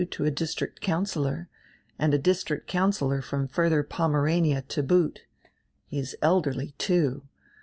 to a district councillor, and a district councillor from Further Pomerania to boot. He is elderly, too.